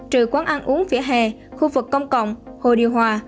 trừ quán ăn uống vỉa hè khu vực công cộng hồ điều hòa